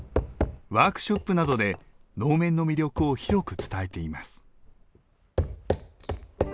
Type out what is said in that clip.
ワークショップなどで能面の魅力を広く伝えています。